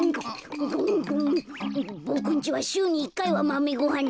ボクんちはしゅうに１かいはマメごはんなんだぞ。